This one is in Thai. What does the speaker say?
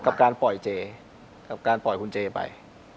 กับการปล่อยเจไป